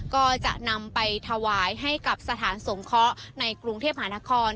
ก็จะนำไปถวายให้กับสถานสงเคราะห์ในกรุงเทพหานคร